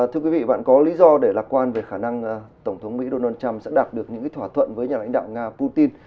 thưa quý vị bạn có lý do để lạc quan về khả năng tổng thống mỹ donald trump sẽ đạt được những thỏa thuận với nhà lãnh đạo nga putin